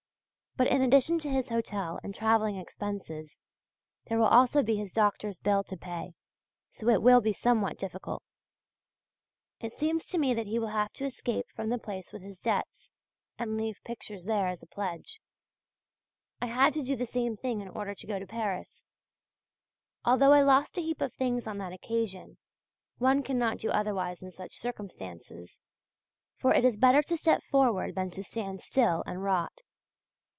But in addition to his hotel and travelling expenses, there will also be his doctor's bill to pay; so it will be somewhat difficult. It seems to me that he will have to escape from the place with his debts, and leave pictures there as a pledge. I had to do the same thing in order to go to Paris; although I lost a heap of things on that occasion, one cannot do otherwise in such circumstances. For it is better to step forward than to stand still and rot.